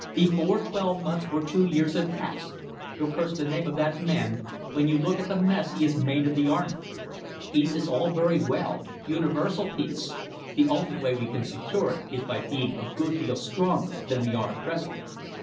Before twelve months or two years have passed, you'll curse the name of that man, when you look at the mess he has made of the army. Peace is all very well universal peace. The only way we can secure it is by being a good deal stronger than we are at present."